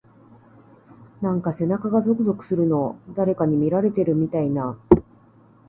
なんか背中がゾクゾクするの。誰かに見られてるみたいな…。